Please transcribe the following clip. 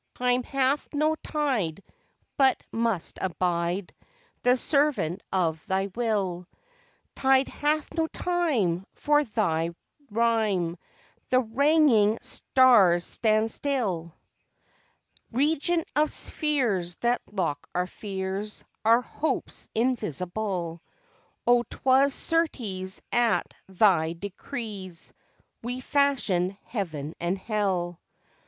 Time hath no tide but must abide The servant of Thy will; Tide hath no time, for to Thy rhyme The ranging stars stand still Regent of spheres that lock our fears Our hopes invisible, Oh 'twas certes at Thy decrees We fashioned Heaven and Hell!